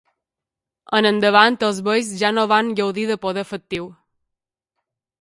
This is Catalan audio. En endavant els beis ja no van gaudir de poder efectiu.